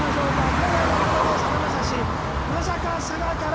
「今夜も生でさだまさしまさか佐賀から」。